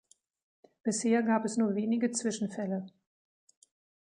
Bisher gab es nur wenige Zwischenfälle.